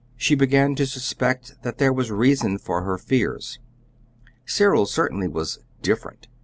She began to suspect that there was reason for her fears. Cyril certainly was "different."